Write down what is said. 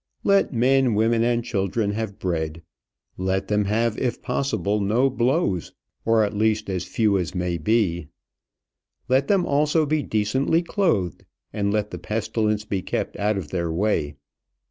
Let men, women, and children have bread; let them have if possible no blows, or, at least, as few as may be; let them also be decently clothed; and let the pestilence be kept out of their way.